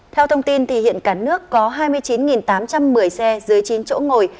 theo thông tin thì hiện cả nước có hai mươi chín tám trăm một mươi xe dưới chín chỗ ngồi